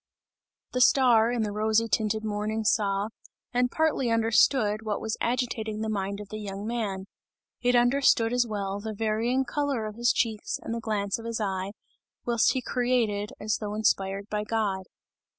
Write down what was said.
The star, in the rosy tinted morning saw, and partly understood what was agitating the mind of the young man; it understood as well, the varying colour of his checks and the glance of his eye, whilst he created, as though inspired by God.